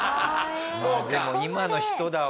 まあでも今の人だわ。